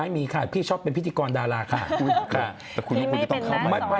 ไม่มีค่ะที่ชอบเป็นพิธีกรดาราค่ะ